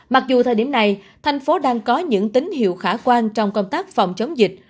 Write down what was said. mặc dù thời điểm này thành phố đang có những tín hiệu khả quan trong công tác phòng chống dịch